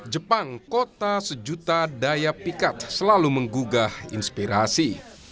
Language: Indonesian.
jepang kota sejuta daya pikat selalu menggugah inspirasi